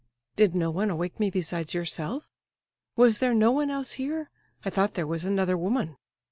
"Did no one awake me besides yourself? Was there no one else here? I thought there was another woman."